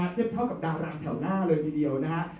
เทียบเท่ากับดาราแถวหน้าเลยทีเดียวนะฮะ